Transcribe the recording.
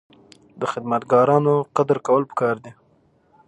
د خدمتګارانو قدر کول پکار دي.